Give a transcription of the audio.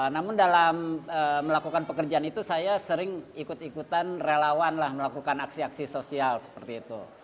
namun dalam melakukan pekerjaan itu saya sering ikut ikutan relawan lah melakukan aksi aksi sosial seperti itu